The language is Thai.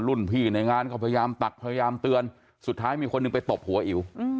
พี่ในงานก็พยายามตักพยายามเตือนสุดท้ายมีคนหนึ่งไปตบหัวอิ๋ว